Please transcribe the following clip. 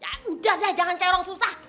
ya udah deh jangan kayak orang susah